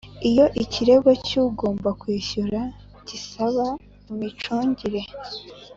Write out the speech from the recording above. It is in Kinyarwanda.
Iyo ikirego cy ugomba kwishyura gisaba imicungire